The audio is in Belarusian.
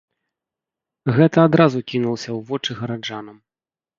Гэта адразу кінулася ў вочы гараджанам.